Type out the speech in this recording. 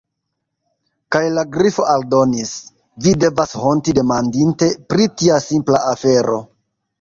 Kaj la Grifo aldonis: "Vi devas honti, demandinte pri tia simpla afero."